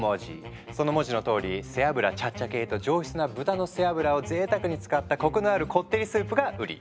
その文字のとおり背脂チャッチャ系と上質な豚の背脂をぜいたくに使ったコクのあるこってりスープが売り。